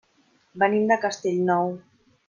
Venim de Castellnou.